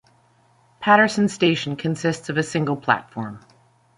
Paterson station consists of a single platform.